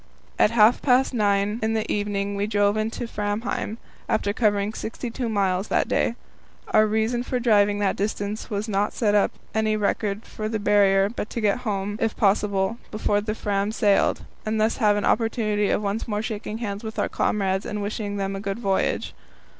At half past nine in the evening we drove into Framheim, after covering sixty two miles that day. Our reason for driving that distance was not to set up any record for the Barrier, but to get home, if possible, before the Fram sailed, and thus have an opportunity of once more shaking hands with our comrades and wishing them a good voyage.